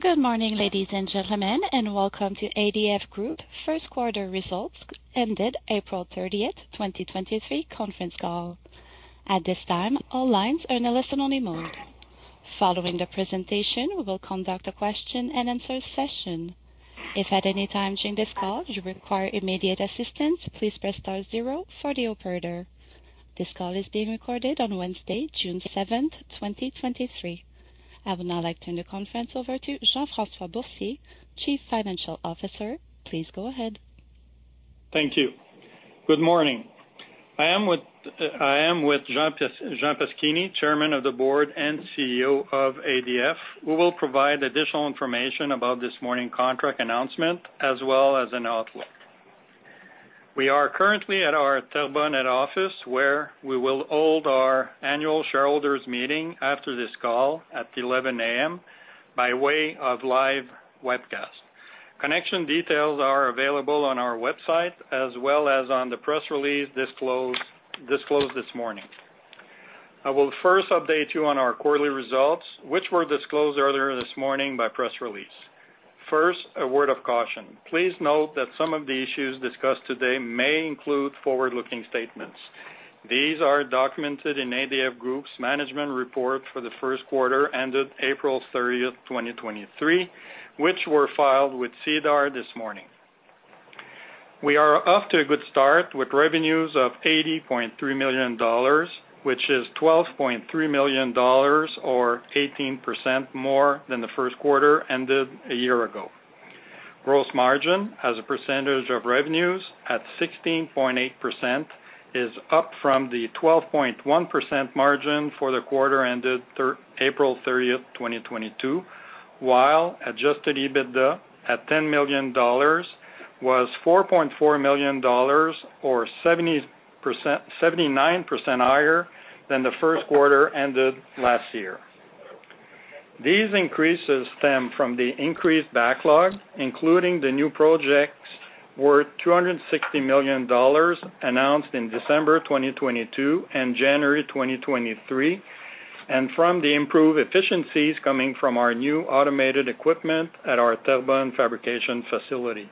Good morning, ladies and gentlemen, welcome to ADF Group First Quarter Results ended April 30th, 2023 Conference Call. At this time, all lines are in a listen-only mode. Following the presentation, we will conduct a question-and-answer session. If at any time during this call you require immediate assistance, please press star zero for the operator. This call is being recorded on Wednesday, June 7th, 2023. I would now like to turn the conference over to Jean-François Boursier, Chief Financial Officer. Please go ahead. Thank you. Good morning. I am with Jean Paschini, Chairman of the Board and CEO of ADF, who will provide additional information about this morning's contract announcement, as well as an outlook. We are currently at our Terrebonne office, where we will hold our annual shareholders meeting after this call at 11:00 A.M. by way of live webcast. Connection details are available on our website as well as on the press release disclosed this morning. I will first update you on our quarterly results, which were disclosed earlier this morning by press release. First, a word of caution. Please note that some of the issues discussed today may include forward-looking statements. These are documented in ADF Group's management report for the first quarter ended April 30, 2023, which were filed with SEDAR this morning. We are off to a good start, with revenues of 80.3 million dollars, which is 12.3 million dollars or 18% more than the first quarter ended a year ago. Gross margin as a percentage of revenues at 16.8% is up from the 12.1% margin for the quarter ended April 30, 2022, while Adjusted EBITDA at 10 million dollars was 4.4 million dollars or 79% higher than the first quarter ended last year. These increases stem from the increased backlog, including the new projects worth 260 million dollars, announced in December 2022 and January 2023, and from the improved efficiencies coming from our new automated equipment at our Terrebonne fabrication facility.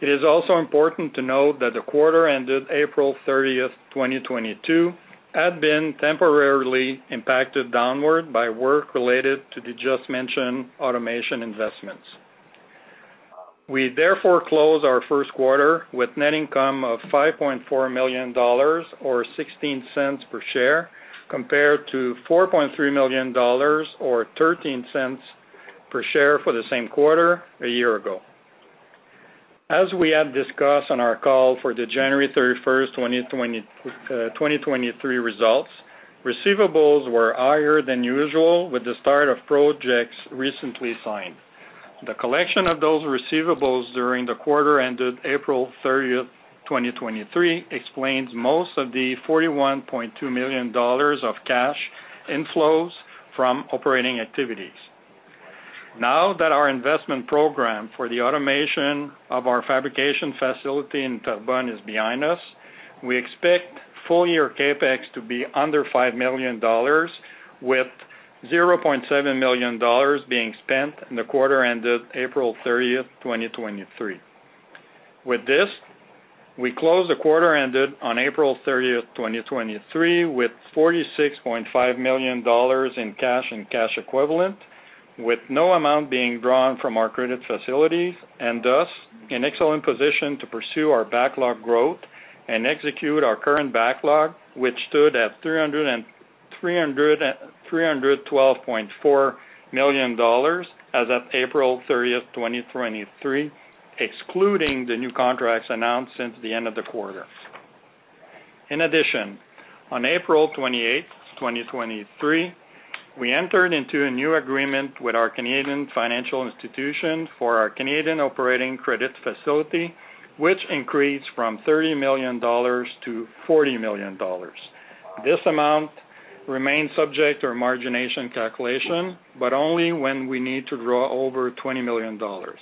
It is also important to note that the quarter ended April 30th, 2022, had been temporarily impacted downward by work related to the just mentioned automation investments. We close our first quarter with net income of 5.4 million dollars or 0.16 per share, compared to 4.3 million dollars or 0.13 per share for the same quarter a year ago. As we had discussed on our call for the January 31st, 2023 results, receivables were higher than usual with the start of projects recently signed. The collection of those receivables during the quarter ended April 30th, 2023, explains most of the 41.2 million dollars of cash inflows from operating activities. Now that our investment program for the automation of our fabrication facility in Terrebonne is behind us, we expect full-year CapEx to be under 5 million dollars, with 0.7 million dollars being spent in the quarter ended April 30, 2023. With this, we closed the quarter ended on April 30, 2023, with CAD 46.5 million in cash and cash equivalent, with no amount being drawn from our credit facilities, and thus in excellent position to pursue our backlog growth and execute our current backlog, which stood at 312.4 million dollars as of April 30, 2023, excluding the new contracts announced since the end of the quarter. In addition, on April 28, 2023, we entered into a new agreement with our Canadian financial institution for our Canadian operating credit facility, which increased from 30 million-40 million dollars. This amount remains subject to margination calculation, but only when we need to draw over 20 million dollars.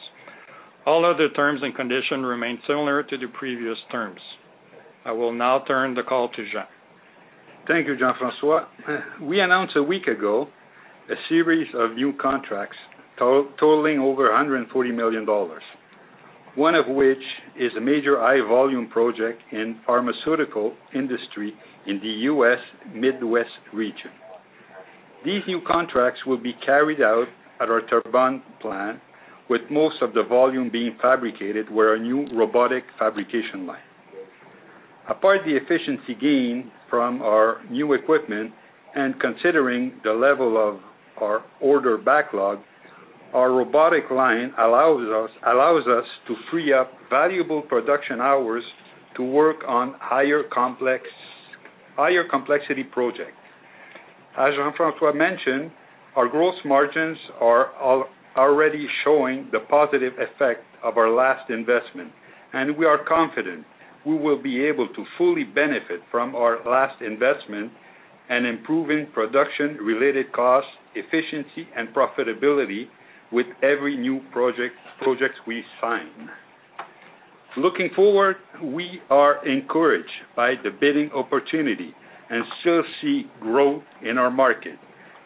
All other terms and conditions remain similar to the previous terms. I will now turn the call to Jean. Thank you, Jean-François. We announced a week ago a series of new contracts totaling over $140 million, one of which is a major high-volume project in pharmaceutical industry in the U.S. Midwest region. These new contracts will be carried out at our Terrebonne plant, with most of the volume being fabricated with our new robotic fabrication line. Apart the efficiency gain from our new equipment and considering the level of our order backlog, our robotic line allows us to free up valuable production hours to work on higher complexity projects. As Jean-François mentioned, our gross margins are already showing the positive effect of our last investment, and we are confident we will be able to fully benefit from our last investment and improving production-related costs, efficiency, and profitability with every new projects we sign. Looking forward, we are encouraged by the bidding opportunity and still see growth in our market,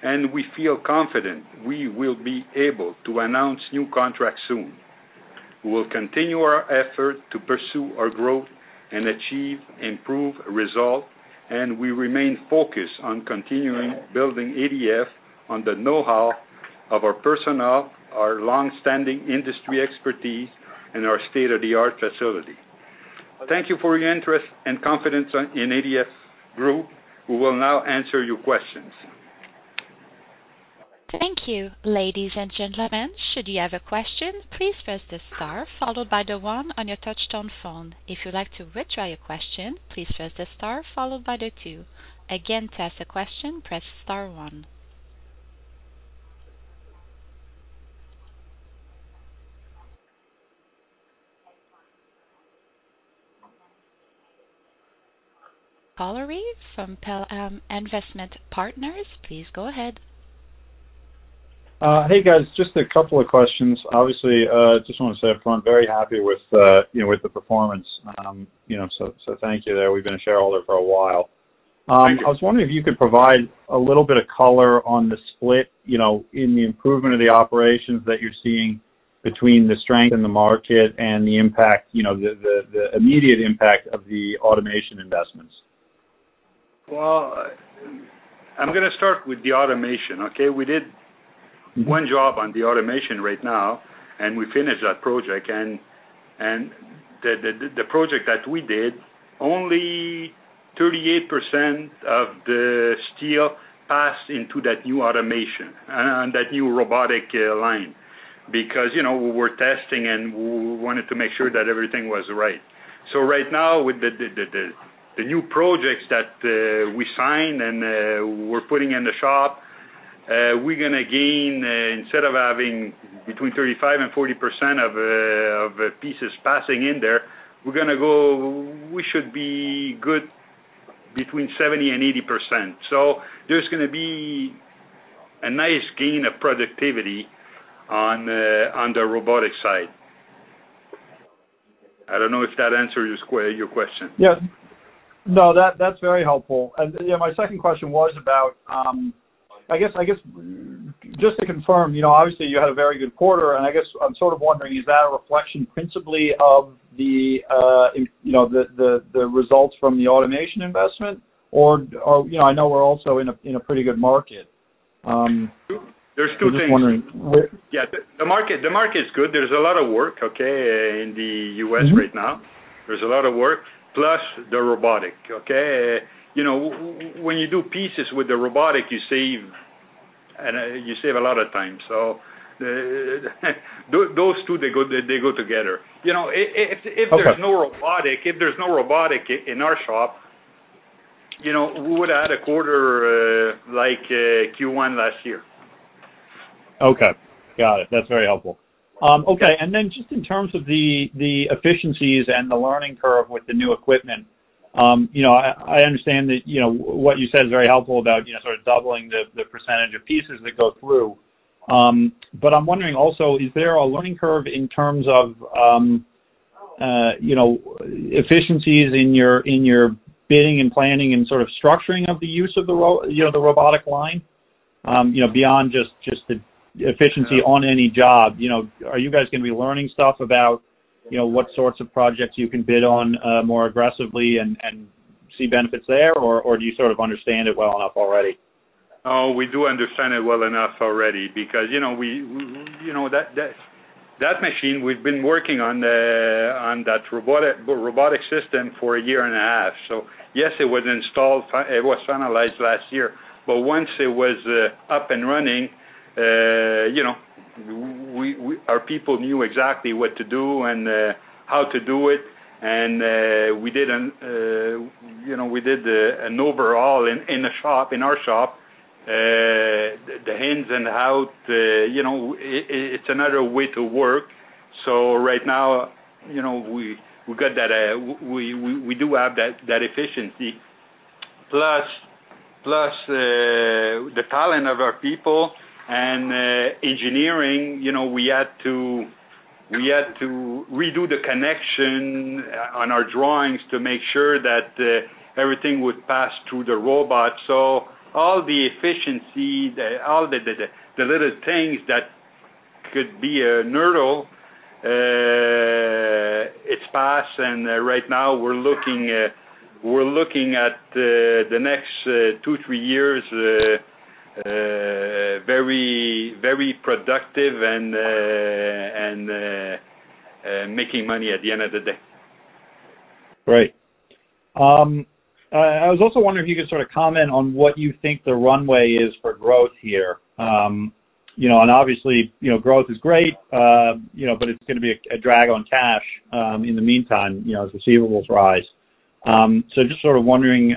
and we feel confident we will be able to announce new contracts soon. We will continue our effort to pursue our growth and achieve improved result, and we remain focused on continuing building ADF on the know-how of our personnel, our long-standing industry expertise, and our state-of-the-art facility. Thank you for your interest and confidence in ADF Group. We will now answer your questions. Thank you. Ladies and gentlemen, should you have a question, please press the star followed by the one on your touchtone phone. If you'd like to withdraw your question, please press the star followed by the two. Again, to ask a question, press star one. Valerie from Palum[F.L.] Investment Partners, please go ahead. Hey, guys, just a couple of questions. Obviously, just want to say up front, very happy with, you know, with the performance. You know, so thank you there. We've been a shareholder for a while. Thank you. I was wondering if you could provide a little bit of color on the split, you know, in the improvement of the operations that you're seeing between the strength in the market and the impact, you know, the, the immediate impact of the automation investments? Well, I'm going to start with the automation, okay? We did one job on the automation right now, and we finished that project. The project that we did, only 38% of the steel passed into that new automation on that new robotic line. Because, you know, we were testing, and we wanted to make sure that everything was right. Right now, with the new projects that we signed and we're putting in the shop, we're going to gain, instead of having between 35% and 40% of pieces passing in there, we should be good between 70% and 80%. There's going to be a nice gain of productivity on the robotic side. I don't know if that answers your question. Yes. No, that's very helpful. you know, my second question was about, I guess, just to confirm, you know, obviously, you had a very good quarter, and I guess I'm sort of wondering, is that a reflection principally of the, in, you know, the results from the automation investment? Or, you know, I know we're also in a pretty good market? There's two things. Just wondering. Yeah, the market is good. There's a lot of work, okay, in the U.S. right now. Mm-hmm. There's a lot of work, plus the robotic, okay? You know, when you do pieces with the robotic, you save a lot of time. Those two, they go together. You know, if. Okay... there's no robotic, if there's no robotic in our shop, you know, we would add a quarter, like, Q1 last year. Okay, got it. That's very helpful. Just in terms of the efficiencies and the learning curve with the new equipment, you know, I understand that, you know, what you said is very helpful about, you know, sort of doubling the percentage of pieces that go through. I'm wondering also, is there a learning curve in terms of, you know, efficiencies in your, in your bidding and planning and sort of structuring of the use of the robotic line? You know, beyond just the efficiency on any job, you know, are you guys going to be learning stuff about, you know, what sorts of projects you can bid on more aggressively and see benefits there, or do you sort of understand it well enough already? Oh, we do understand it well enough already. You know, we, you know, that, that machine, we've been working on that robotic system for a year and a half. Yes, it was installed, it was finalized last year. Once it was up and running, you know, our people knew exactly what to do and how to do it. We did an, you know, we did an overall in the shop, in our shop, the ins and out, you know, it's another way to work. Right now, you know, we got that, we do have that efficiency. Plus, the talent of our people and engineering, you know, we had to redo the connection on our drawings to make sure that everything would pass through the robot. All the efficiency, all the little things that could be neutral, it's passed, and right now we're looking, we're looking at the next two to three years, very productive and making money at the end of the day. Great. I was also wondering if you could sort of comment on what you think the runway is for growth here. You know, obviously, you know, growth is great, you know, but it's going to be a drag on cash, in the meantime, you know, as receivables rise. Just sort of wondering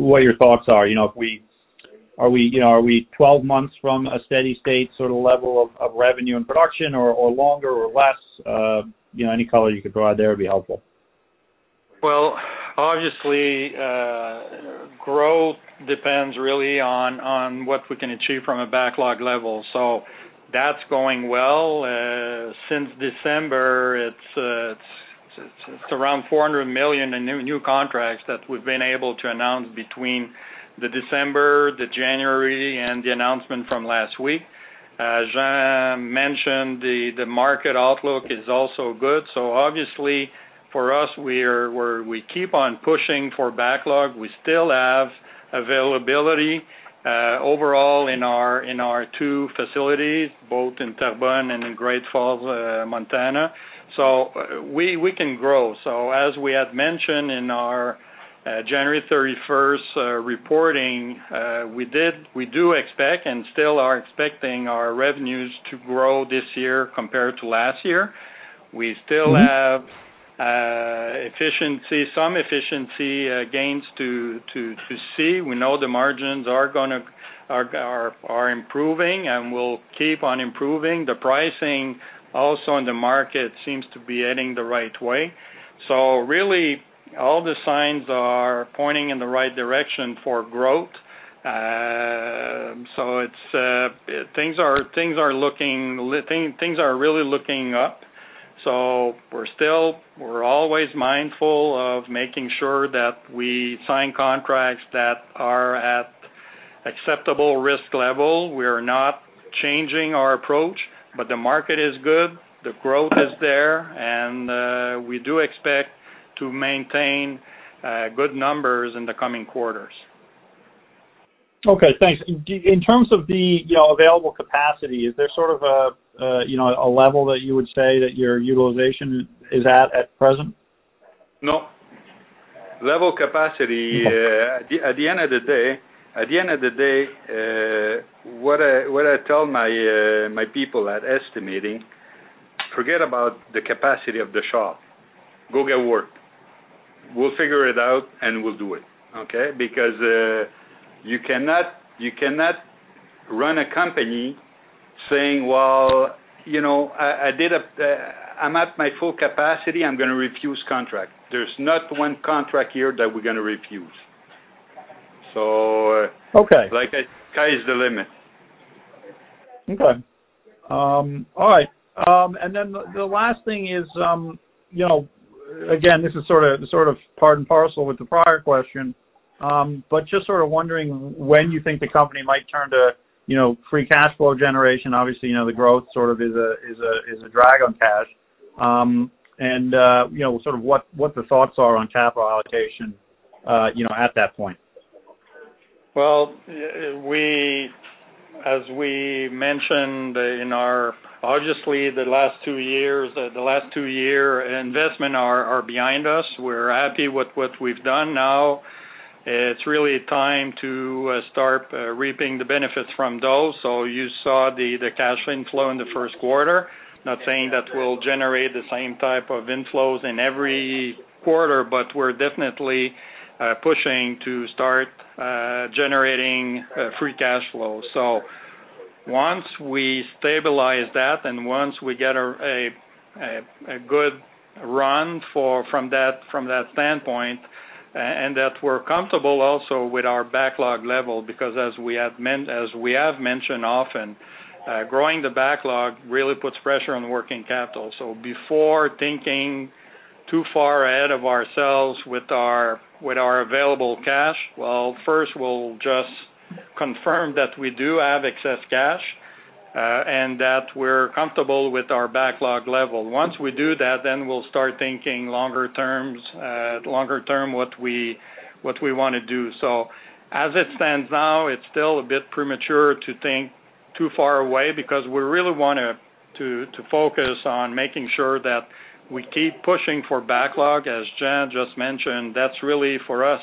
what your thoughts are, you know, if we, you know, are we 12 months from a steady state sort of level of revenue and production or longer or less? You know, any color you could provide there would be helpful. Obviously, growth depends really on what we can achieve from a backlog level. That's going well. Since December, it's around $400 million in new contracts that we've been able to announce between the December, the January, and the announcement from last week. As Jean mentioned, the market outlook is also good. Obviously for us, we're pushing for backlog. We still have availability, overall in our two facilities, both in Terrebonne and in Great Falls, Montana. We can grow. As we had mentioned in our January 31st reporting, we do expect and still are expecting our revenues to grow this year compared to last year. We still have efficiency, some efficiency gains to see. We know the margins are improving and will keep on improving. The pricing also in the market seems to be heading the right way. Really, all the signs are pointing in the right direction for growth. Things are really looking up. We're always mindful of making sure that we sign contracts that are at acceptable risk level. We are not changing our approach, but the market is good, the growth is there, and we do expect to maintain good numbers in the coming quarters. Okay, thanks. In terms of the, you know, available capacity, is there sort of a, you know, a level that you would say that your utilization is at present? No. Level capacity, at the end of the day, what I tell my people at estimating: "Forget about the capacity of the shop. Go get work. We'll figure it out, and we'll do it." Okay? Because you cannot run a company saying, "Well, you know, I did a, I'm at my full capacity. I'm going to refuse contract." There's not one contract here that we're going to refuse. Okay. Like, the sky is the limit. Okay. All right. The last thing is, you know, again, this is sort of part and parcel with the prior question. Just sort of wondering when you think the company might turn to, you know, free cash flow generation. Obviously, you know, the growth sort of is a drag on cash. You know, sort of what the thoughts are on capital allocation, you know, at that point? Well, we, as we mentioned in our... Obviously, the last two years, the last two year investment are behind us. We're happy with what we've done. Now, it's really time to start reaping the benefits from those. You saw the cash inflow in the first quarter. Not saying that we'll generate the same type of inflows in every quarter, but we're definitely pushing to start generating free cash flow. Once we stabilize that, and once we get a good run from that standpoint, and that we're comfortable also with our backlog level, because as we have mentioned often, growing the backlog really puts pressure on working capital. Before thinking too far ahead of ourselves with our available cash, well, first, we'll just confirm that we do have excess cash and that we're comfortable with our backlog level. Once we do that, then we'll start thinking longer term, what we want to do. As it stands now, it's still a bit premature to think too far away because we really want to focus on making sure that we keep pushing for backlog. As Jean just mentioned, that's really for us,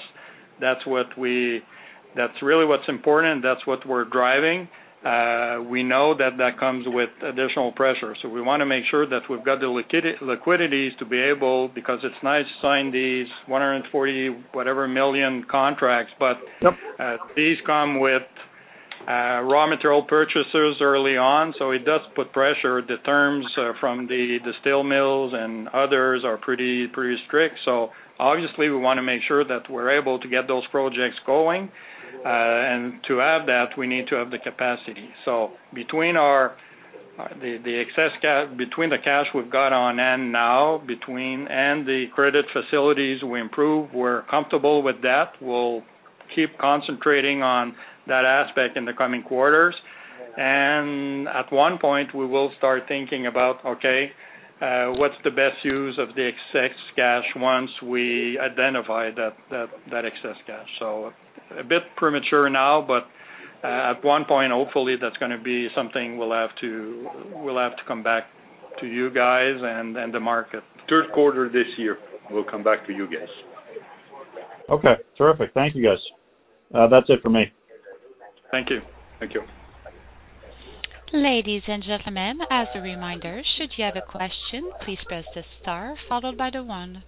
that's really what's important, that's what we're driving. We know that that comes with additional pressure. We want to make sure that we've got the liquidities to be able, because it's nice to sign these 140 whatever million contracts. Yep. These come with raw material purchases early on, so it does put pressure. The terms from the steel mills and others are pretty strict. Obviously, we want to make sure that we're able to get those projects going. And to have that, we need to have the capacity. Between the cash we've got on hand now, and the credit facilities we improve, we're comfortable with that. We'll keep concentrating on that aspect in the coming quarters. At one point, we will start thinking about, okay, what's the best use of the excess cash once we identify that excess cash? A bit premature now, but, at one point, hopefully, that's going to be something we'll have to come back to you guys and the market. Third quarter this year, we'll come back to you guys. Okay. Terrific. Thank you, guys. That's it for me. Thank you. Thank you. Ladies and gentlemen, as a reminder, should you have a question, please press the star followed by the one.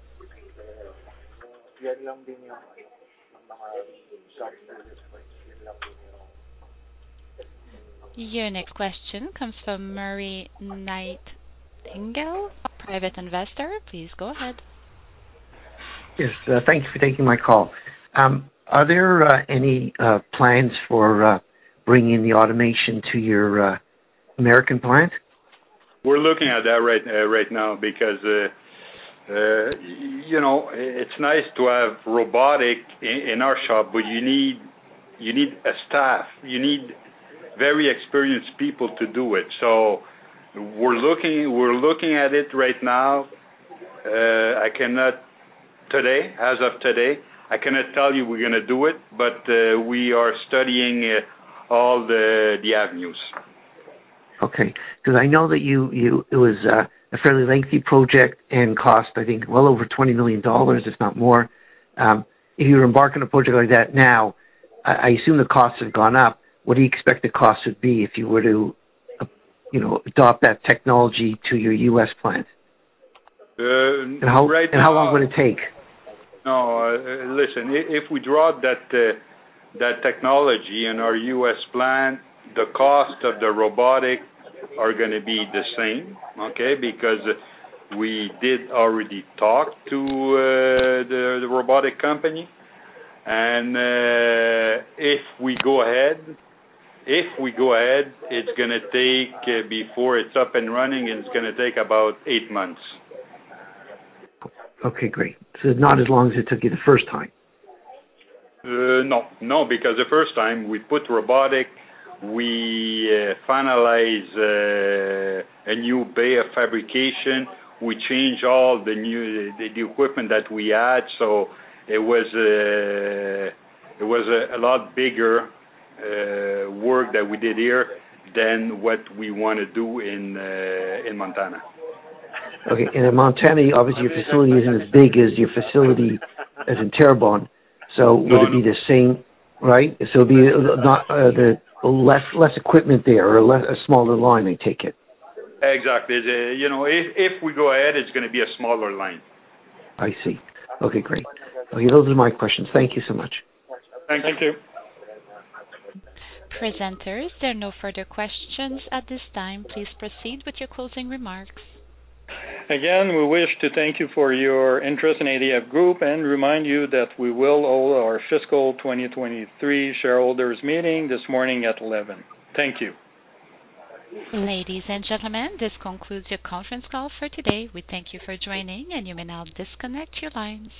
Your next question comes from Murray Knight Dingle, Private investor. Please go ahead. Yes, thank you for taking my call. Are there any plans for bringing the automation to your American plant? We're looking at that right now, because, you know, it's nice to have robotic in our shop, but you need a staff, you need very experienced people to do it. We're looking at it right now. I cannot today, as of today, I cannot tell you we're gonna do it, but we are studying, all the avenues. Okay. Because I know that you. It was a fairly lengthy project and cost, I think, well over $20 million, if not more. if you embark on a project like that now, I assume the costs have gone up. What do you expect the costs would be if you were to, you know, adopt that technology to your U.S. plant? Uh- How long would it take? No, listen, if we draw that technology in our U.S. plant, the cost of the robotic are gonna be the same, okay? Because we did already talk to the robotic company. If we go ahead, it's gonna take, before it's up and running, it's gonna take about eight months. Okay, great. Not as long as it took you the first time? No. No, because the first time we put robotic, we finalize a new bay of fabrication. We change all the new, the equipment that we had. It was a lot bigger work that we did here than what we wanna do in Montana. Okay. In Montana, obviously, your facility isn't as big as your facility as in Terrebonne. Would it be the same, right? It'll be not, the less equipment there or less, a smaller line, I take it. Exactly. You know, if we go ahead, it's gonna be a smaller line. I see. Okay, great. Okay, those are my questions. Thank you so much. Thank you. Presenters, there are no further questions at this time. Please proceed with your closing remarks. Again, we wish to thank you for your interest in ADF Group and remind you that we will hold our fiscal 2023 shareholders meeting this morning at 11:00 A.M. Thank you. Ladies and gentlemen, this concludes your conference call for today. We thank you for joining, and you may now disconnect your lines.